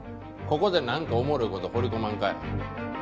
ここでなんかおもろい事放り込まんかい。